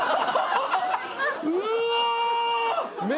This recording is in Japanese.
うわ！